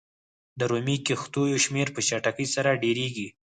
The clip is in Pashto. د رومي کښتیو شمېر په چټکۍ سره ډېرېږي.